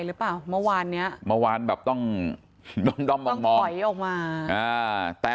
หรือเปล่าเมื่อวานเนี้ยเมื่อวานแบบต้องต้องมามองออกมาแต่